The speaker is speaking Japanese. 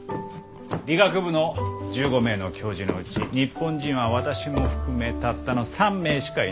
理学部の１５名の教授のうち日本人は私も含めたったの３名しかいない。